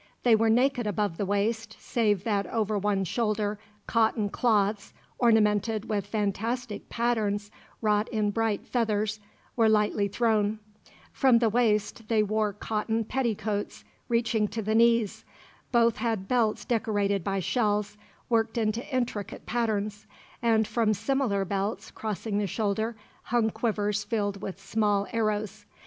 They were naked above the waist, save that over one shoulder cotton cloths, ornamented with fantastic patterns wrought in bright feathers, were lightly thrown. From the waist they wore cotton petticoats, reaching to the knees. Both had belts decorated by shells, worked into intricate patterns; and from similar belts, crossing the shoulder, hung quivers filled with small arrows.